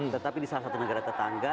tetapi di salah satu negara tetangga